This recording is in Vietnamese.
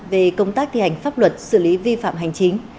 về công tác thi hành pháp luật xử lý vi phạm hành chính